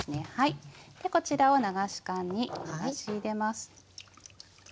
こちらを流し函に流し入れます。